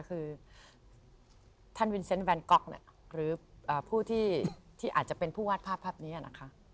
คือท่านวินเซนต์แวนก๊อกหรือผู้ที่อาจจะเป็นผู้วาดภาพภาพนี้นะคะ